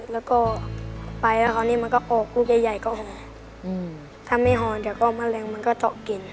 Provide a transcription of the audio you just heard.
แล้วก็ไปแล้วเขานี่มันก็ออกลูกใหญ่ก็ออกอืมถ้าไม่หอเดี๋ยวก็มะเร็งมันก็เจาะกิน